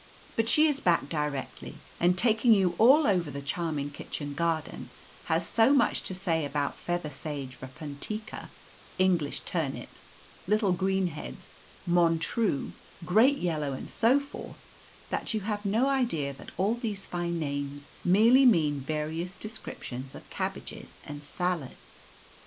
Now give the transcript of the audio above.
But she is back directly, and taking you all over the charming kitchen garden, has so much to say about feather sage, rapuntika, English turnips, little greenheads, montrue, great yellow, and so forth, that you have no idea that all these fine names merely mean various descriptions of cabbages and salads.